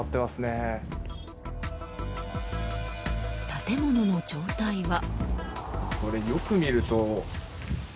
建物の状態は。